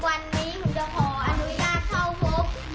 วันนี้ผมจะขออนุญาตเข้าพบ